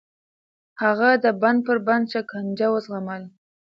هغه د بند پر بند شکنجه وزغمله.